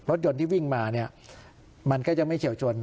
รถยนต์ที่วิ่งมาเนี่ยมันก็จะไม่เฉียวชน